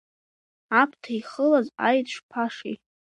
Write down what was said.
Аԥҭа ихылаз аеҵә шԥашеи!